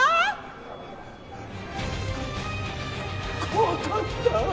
怖かった！